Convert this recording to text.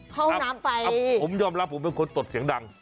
ห้องน้ำไปผมยอมรับผมเป็นคนตดเสียงดัง